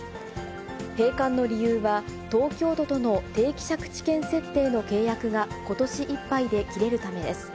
閉館の理由は、東京都との定期借地権設定の契約がことしいっぱいで切れるためです。